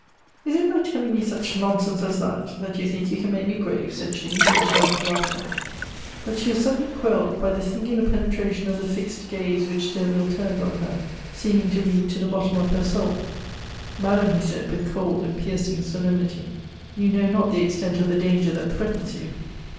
"Is it by telling me such nonsense as that that you think you can make me grave?" said she with a shout of laughter. But she was suddenly quelled by the singular penetration of the fixed gaze which Derville turned on her, seeming to read to the bottom of her soul. "Madame," he said with cold and piercing solemnity, "you know not the extent of the danger that threatens you.